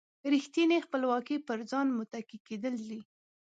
ریښتینې خپلواکي پر ځان متکي کېدل دي.